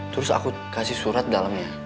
terus aku kasih surat dalamnya